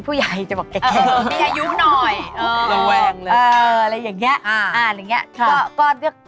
คนเกิดเดือนกรุงภาค่ะเขาเลือก